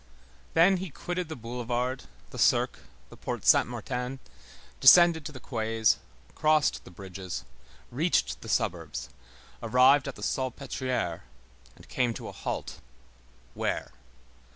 Then he quitted the boulevard, the Cirque, the Porte Saint Martin, descended to the quays, crossed the bridges, reached the suburbs, arrived at the Salpêtrière, and came to a halt, where?